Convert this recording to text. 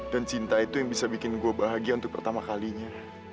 dan cinta itu yang bisa bikin gue bahagia untuk pertama kalinya